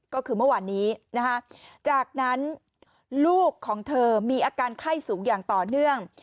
ก็คือเมื่อวานนี้จากนั้นลูกของเธอมีอาการไข้สูงอย่างต่อเนื่อง